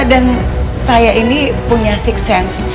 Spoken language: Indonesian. dan saya ini punya six sense